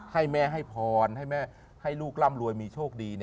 ให้แม่ให้พรให้ลูกร่ำรวยมีโชคดี